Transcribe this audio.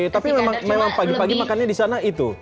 tapi memang pagi pagi makannya di sana itu